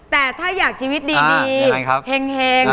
แต่ถ้าอยากชีวิตดีเห็ง